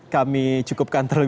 kami cukupkan terlebih dahulu arief